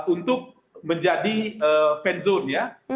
untuk menjadi fan zone ya